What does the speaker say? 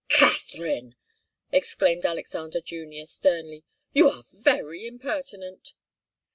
"Katharine!" exclaimed Alexander Junior, sternly, "you are very impertinent."